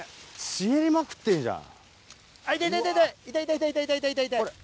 茂りまくってんじゃん。